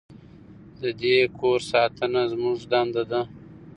د دې کور ساتنه زموږ دنده ده.